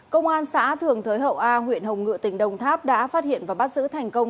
công an xã thường thới hậu a huyện hồng ngự tỉnh đồng tháp đã phát hiện và bắt giữ thành công